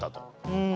うん。